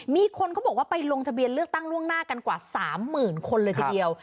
มีคนเขาบอกว่าไปลงทะเบียนเลือกตั้งล่วงหน้ากันกว่า๓๐๐๐คนเลยทีเดียว